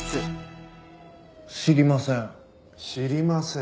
知りません。